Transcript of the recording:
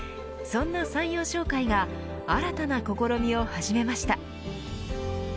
そんな三陽商会が新たな試みを始めました。